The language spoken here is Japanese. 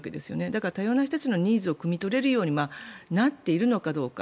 だから、多様な人たちのニーズを酌み取れるようになっているかどうか。